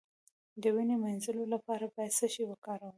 د وینې د مینځلو لپاره باید څه شی وکاروم؟